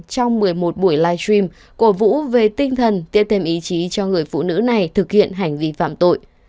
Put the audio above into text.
trong một mươi một buổi live stream cổ vũ về tinh thần tiếp thêm ý chí cho người phụ nữ này thực hiện hành vi phạm tội